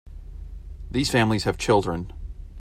These families have children.